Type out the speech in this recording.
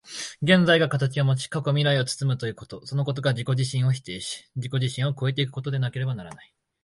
現在が形をもち、過去未来を包むということ、そのことが自己自身を否定し、自己自身を越え行くことでなければならない。